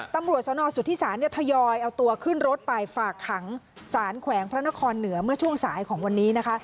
ตำรวจสนสุธิศาลเนี่ยทยอยเอาตัวขึ้นรถไปฝากขังสารแขวงพระนครเหนือเมื่อช่วงสายของวันนี้นะคะ